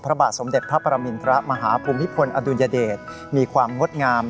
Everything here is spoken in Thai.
พระบาทสมเด็จพระปรมินทรมาฮภูมิพลอดุลยเดชมีความงดงาม